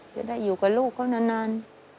จะได้อยู่กับลูกเขานาน